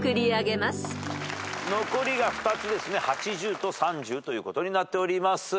残りが２つですね８０と３０ということになっております。